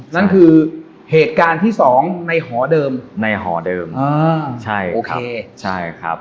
นั่นคือเหตุการณ์ที่สองในหอเดิมในหอเดิมใช่ครับ